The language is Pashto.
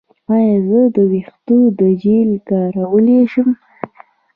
ایا زه د ویښتو جیل کارولی شم؟